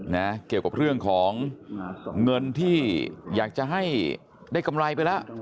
นะเกี่ยวกับเรื่องของเงินที่อยากจะให้ได้กำไรไปแล้ว